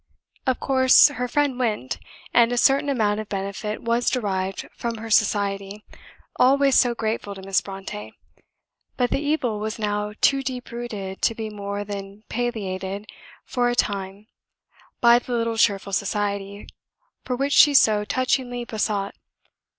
Of course, her friend went; and a certain amount of benefit was derived from her society, always so grateful to Miss Brontë. But the evil was now too deep rooted to be more than palliated for a time by "the little cheerful society" for which she so touchingly besought.